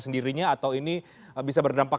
sendirinya atau ini bisa berdampak